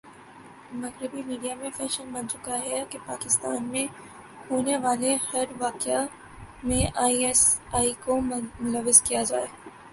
مغربی میڈیا میں فیشن بن چکا ہے کہ پاکستان میں ہونے والےہر واقعہ میں آئی ایس آئی کو ملوث کیا جاۓ